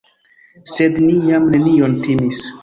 Sed ni jam nenion timis.